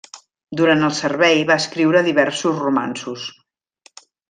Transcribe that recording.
Durant el servei va escriure diversos romanços.